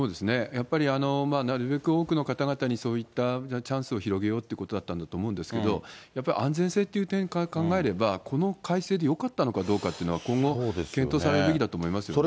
やっぱり、なるべく多くの方々にそういったチャンスを広げようということだったと思うんですけど、やっぱり安全性という点から考えれば、この改正でよかったのかどうかというのは、今後、検討されるべきだと思いますよね。